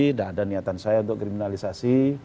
tidak ada niatan saya untuk kriminalisasi